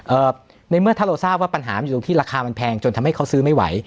ในเมื่อถ้าเราทราบว่าปัญหามันอยู่ตรงที่ราคามันแพงจนทำให้เขาซื้อไม่ไหว